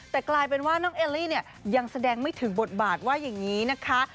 แต่กลายเป็นว่าน้องเอลลี่เนี่ยยังแสดงไม่ถึงบทบาทว่าอย่างนี้นะคะ